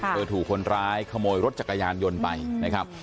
ถูกคนร้ายขโมยรถจักรยานยนต์ไปนะครับ